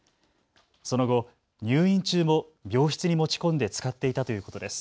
その後、入院中も病室に持ち込んで使っていたということです。